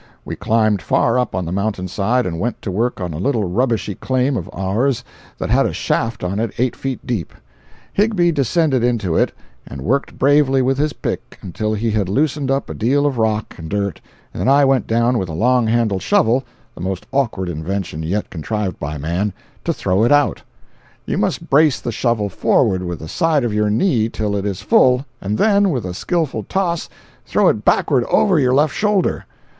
We climbed far up on the mountain side and went to work on a little rubbishy claim of ours that had a shaft on it eight feet deep. Higbie descended into it and worked bravely with his pick till he had loosened up a deal of rock and dirt and then I went down with a long handled shovel (the most awkward invention yet contrived by man) to throw it out. You must brace the shovel forward with the side of your knee till it is full, and then, with a skilful toss, throw it backward over your left shoulder.